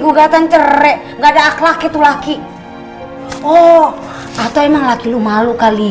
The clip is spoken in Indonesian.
gugatan cerai enggak ada laki laki tuh laki oh atau emang laki lu malu kali